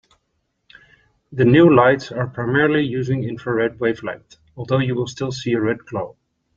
The new lights are primarily using infrared wavelength, although you will still see a red glow.